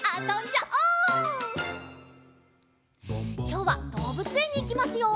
きょうはどうぶつえんにいきますよ！